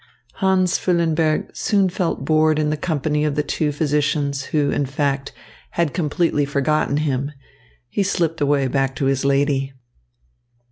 Hans Füllenberg soon felt bored in the company of the two physicians who, in fact, had completely forgotten him; and he slipped away, back to his lady.